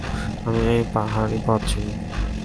আমি এই পাহাড়ি পথ চিনি।